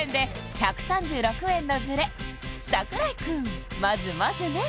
１３６円のズレ櫻井くんまずまずね